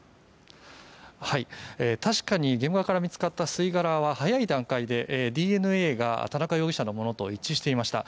確かに現場から見つかった吸い殻は早い段階でＤＮＡが田中容疑者のものと一致していました。